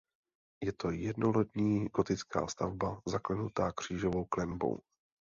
Je to jednolodní gotická stavba zaklenutá křížovou klenbou.